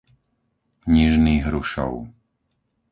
Nižný Hrušov